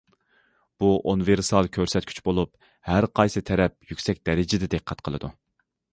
بۇ ئۇنىۋېرسال كۆرسەتكۈچ بولۇپ، ھەرقايسى تەرەپ يۈكسەك دەرىجىدە دىققەت قىلىدۇ.